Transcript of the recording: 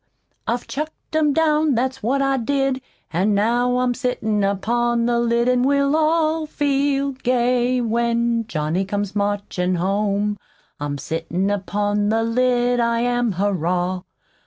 I chucked 'em down, that's what I did, An' now I'm sittin' upon the lid, An' we'll all feel gay when Johnny comes marchin' home. I'm sittin' upon the lid, I am, Hurrah!